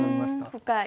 深い。